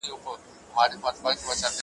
او څلور ناولونه یې چاپ کړل ,